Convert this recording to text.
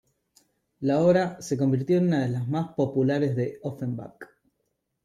La obra se convirtió en una de las más populares de Offenbach.